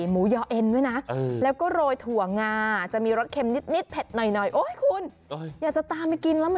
โห้ยคุณอยากจะตามไปกินแล้วเหมือนกันเนาะ